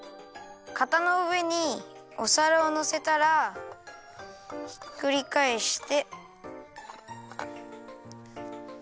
かたのうえにおさらをのせたらひっくりかえして。